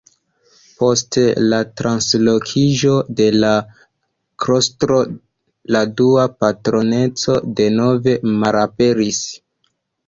Post la translokiĝo de la klostro la dua patroneco denove malaperis.